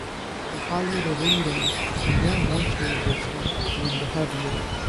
The higher the rating the more moisture resistant and the heavier.